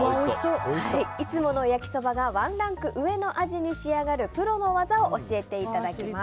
いつもの焼きそばがワンランク上の味に仕上がるプロの技を教えていただきます。